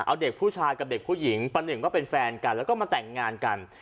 เอาเด็กผู้ชายกับเด็กผู้หญิงประหนึ่งก็เป็นแฟนกันแล้วก็มาแต่งงานกัน